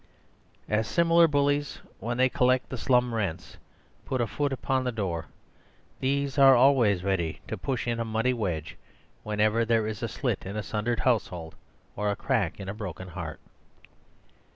As similar bullies, when they collect the slum rents, put a foot in the open door, these are always ready to push in a muddy wedge wherever there is a slit in a sundered household or a crack in a broken heart.